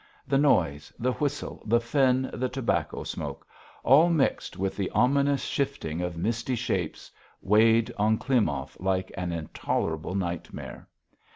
The noise, the whistle, the Finn, the tobacco smoke all mixed with the ominous shifting of misty shapes, weighed on Klimov like an intolerable nightmare.